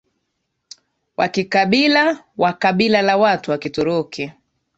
wa kikabila wa kabila la watu wa Kituruki